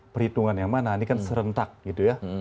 perhitungan yang mana ini kan serentak gitu ya